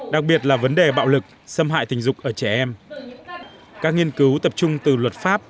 đặc biệt là vấn đề bạo lực xâm hại tình dục ở trẻ em các nghiên cứu tập trung từ luật pháp